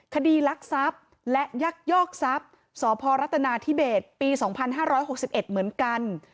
คดีรักทรัพย์และยักยอกทรัพย์สพรัฐนาธิเบศปี๒๕๖๑เหมือนกัน